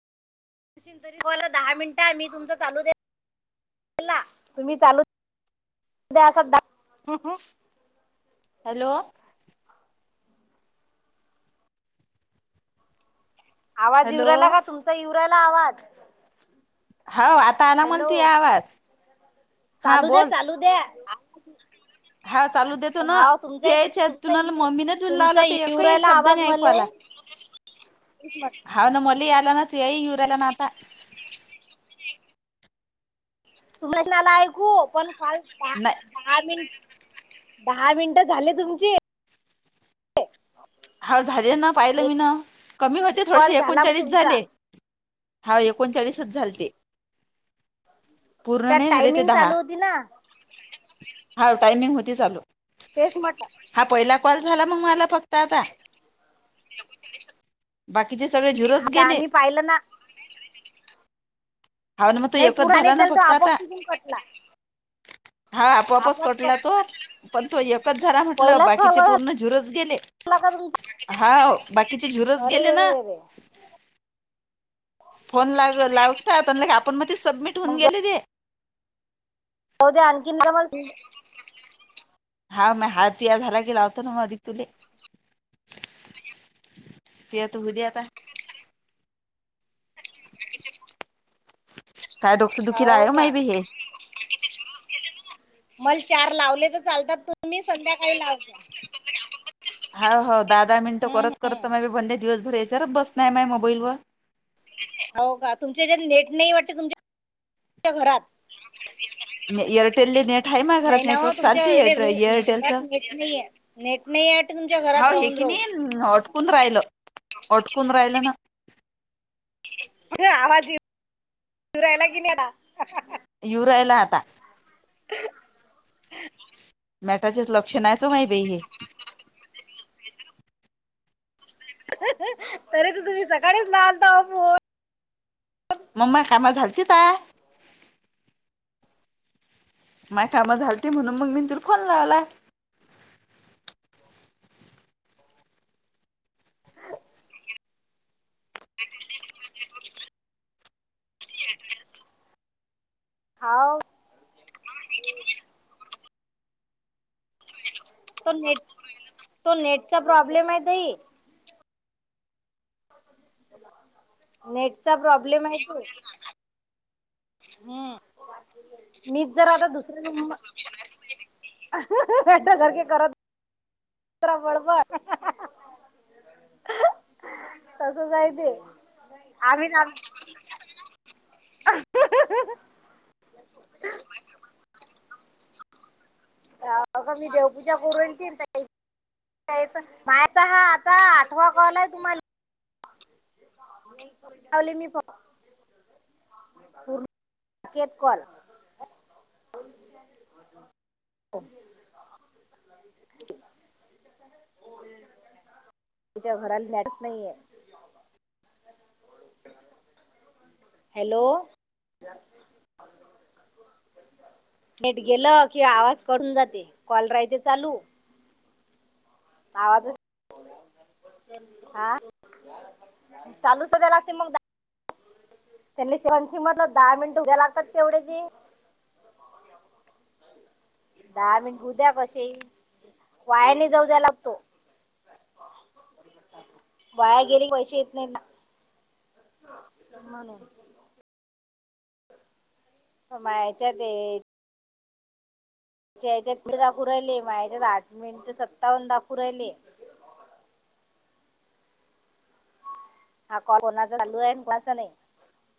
[unintelligible] बोलं दहा मिनटं आम्ही. तुमच चालू दे. तुम्ही चालू द्या. सध्या. हं, हं. हॅलो. आवाज हॅलो येयू रायला का? तुमचा इवू रायला आवाज. हो. आता आला हॅलो म्हनती, आवाज. हा चालू द्या. बोल चालू द्या. [inaudible] हा चालू देतो ना. हा तू तुमचा यायच्या तुमचा तुनला, येऊ मम्मीने तुला लावला तुमचा त, येऊ एकही राहिला शब्द आवाज नाही ऐकू मले याला. [inaudible] [unintelligible] हा ना मली आला ना. तुयाही येऊ राहिला ना आता. [unintelligible] नाय. दहा मिन, दहा मिनटं झाले तुमचे. हाव झाले ना, पाहिलं मी एक न, कमी होते कॉल थोडेसे. झाला मग एकोणचाळीस तुमचा झाले. हा, एकोणचाळीसच झालते. पूर्ण त्यात नाही झाले ते टायमिंग दहा. चालू होती ना हा टायमिंग होती चालू. तेच मट हा पहिला कॉल झाला मग मला फक्त आता. बाकीचे सगळे झीरोच हा, गेले. मी पाहिलं ना. हा ना मग तो नाही, एकच पुरा नाही झाला ना झाल तो, फक्त आता आपोआप तिथून कटला. हा, आपोआपच कटला तो. पण तो एकच झाला म्हटलं. पहिलाच कॉल बाकीचे झाला पूर्ण झीरोच गेले. ला का तुम हाव, बाकीचे झीरोच अरे गेले रे रे ना. रे रे फोन लाग -लावतात न लगे, आपणमत्याच ते सबमिट होऊन गेले ते. हो, ते आणखीन डबल हा, म हातया झाला की, लावतो ना मग आधी तुले. ते आता उद्या आता. काय डोकसदुखी राहाय हो माय भी हे. मल चार लावले तर चालतात तर तुम्ही संध्याकाळी लावता हा हो, दहा दहा मिनिटं हम्म, करत हम्म. करत मा बंद्या दिवसभर याच्यावरच बसलाय माया मोबाईल वर. हो का, तुमच्या हाज्यात नेट नाही वाटते तुमच्या च्या घरात. [unintelligible] एअरटेलले नेट आहे मा नाही घरात, ना हो नेटवर्क तुमच्या चालते याले एर रू- घरात एअरटेलचं. नेट नाहीये तुमच्या घरात राहून राहून ह् अटकून राहिलं, अटकून राहिलं ना. कुठे आवाज येत, येऊ रायला की नाहीता. यू राहिला आता. [inaudible] मॅटाचेच लक्षण आहेत हो माही बाई हे. [inaudible] तरी तू तुम्ही सकाळीच लावालता ओ फोन. मम्मा कामा झालती ता. माय काम झालती म्हणून मग मी तु फोन लावलाय. हाव. तो नेट, तो नेटचा प्रॉब्लेम आहे तई. नेटचा प्रॉब्लेम हाय तो. हम्म. मीच जर आता दुसऱ्या नंब टा सारखे करत बडबड. तसच हाय ते आम्ही हा हा हा. [unintelligible] अगं मी देवपूजा करू राहिली यायच, मायचा हा आता आठवा कॉल आहे तुम्हाला. [inaudible] [unintelligible] हो. आमच्या घरात लाईटच नाहीये. हॅलो नेट गेलं कि आवाज कट हून जाते, कॉल राहायते चालू. आवाजच हा चालूच त्याला असते मग. त्यांले शेवांची मधल दहा मिनिटे उद्या लागात तेवढे जी. दहा मिनट उद्या कसे वायाने जाऊ द्या लागतो. वाया गेरी पैसे येत नाही ना. क मायाच्या ते. या्याच्यात दीड दाखू राहिले मा्याच्यात आठ मिनिट सत्तावन्न दाखू राहिले. हा कॉल कोणाचा चालू आहे आणि कोणाच नाही.